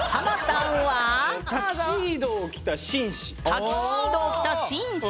「タキシードを着たしんし」。